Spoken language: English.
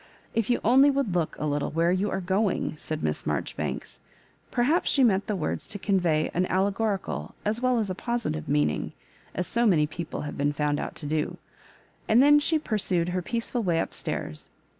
If you only would look a little where you are going," said Miss Marjori banks ;— perhaps she meant the words to convey an aUegorical as weU as a positive meaning, as so many people have been' found out to do — and then she pursued her peaceful way up stairs.